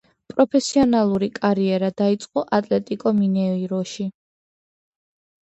პროფესიონალური კარიერა დაიწყო „ატლეტიკო მინეიროში“.